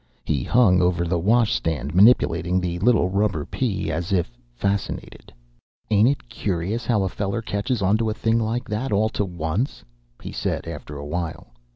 He hung over the washstand, manipulating the little rubber pea as if fascinated. "Ain't it curyus how a feller catches onto a thing like that all to once?" he said after a while.